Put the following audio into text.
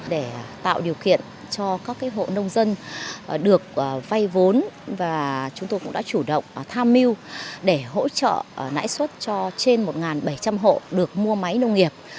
để tạo điều kiện cho các hộ nông dân được vay vốn và chúng tôi cũng đã chủ động tham mưu để hỗ trợ nãy suất cho trên một bảy trăm linh hộ được mua máy nông nghiệp